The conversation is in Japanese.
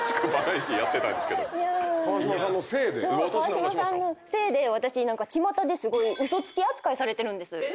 川島さんのせいで私何かちまたですごい嘘つき扱いされてるんです。